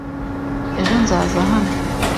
Ejo nzaza hano.